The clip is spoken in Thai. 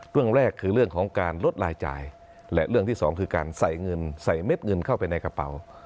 เรื่องแรกคือเรื่องของการลดรายจ่ายและเรื่องที่สองคือการใส่เงินใส่เม็ดเงินเข้าไปในกระเป๋า